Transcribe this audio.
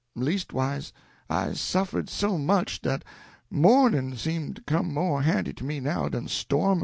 Leastways, I's suffered so much dat mournin' seem to come mo' handy to me now den stormin'."